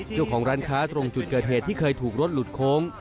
เจ้าของร้านค้าตรงจุดเกิดเหตุที่เคยถูกรถหลุดโค้ง